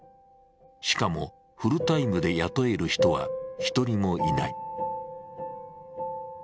しかもフルタイムで雇える人は一人もいない。